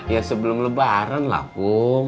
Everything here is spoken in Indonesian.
ya sebelum lebaran lah aku